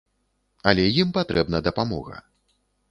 Але ім патрэбна дапамога.